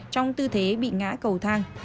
trong tư thế bị ngã cầu thang